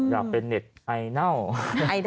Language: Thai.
อยากเป็นเน็ตไอดอล